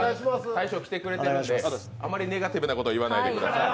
大将来てくれてるのであまりネガティブなことは言わないでください。